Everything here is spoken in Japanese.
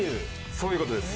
そういう事です。